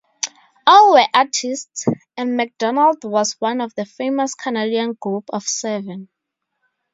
All were artists, and MacDonald was one of the famous Canadian Group of Seven.